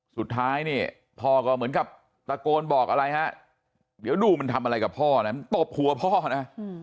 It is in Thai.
สุดท้ายเนี่ยพ่อก็เหมือนกับตะโกนบอกอะไรฮะเดี๋ยวดูมันทำอะไรกับพ่อนะมันตบหัวพ่อนะ